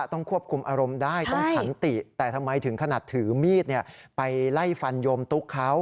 ต้องควบคุมอารมณ์ได้ต้องสันติแต่ทำไมถึงขนาดถือมีดไปไล่ฟันโยมตุ๊กเขา